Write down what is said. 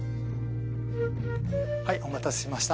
はいお待たせしました。